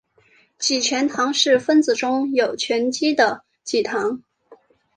己醛糖是分子中有醛基的己糖。